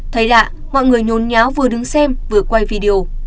thấy lạ mọi người nhồn nháo vừa đứng xem vừa quay video